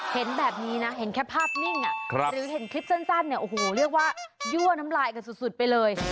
เห็นแบบนี้นะเห็นแค่ภาพนิ่งหรือเห็นคลิปสั้นเนี่ยโอ้โหเรียกว่ายั่วน้ำลายกันสุดไปเลย